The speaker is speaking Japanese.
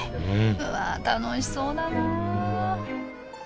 うわ楽しそうだなあ